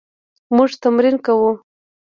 موږ تمرین کوو